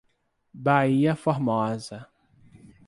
Baía Formosa